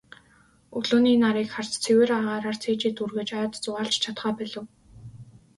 Өглөөний нарыг харж, цэвэр агаараар цээжээ дүүргэж, ойд зугаалж чадахаа болив.